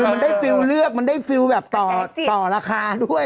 คือมันได้ฟิลเลือกมันได้ฟิลแบบต่อราคาด้วย